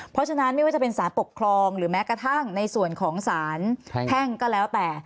เพราะฉะนั้นไม่ว่าจะเป็นสารปกครองหรือแม้กระทั่งในส่วนของสารแพ่งก็แล้วแต่